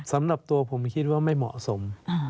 สำหรับตัวผมคิดว่าไม่เหมาะสม